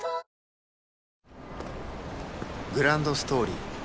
グランドストーリー